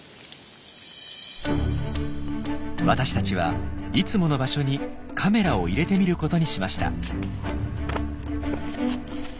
私たちはいつもの場所にカメラを入れてみることにしました。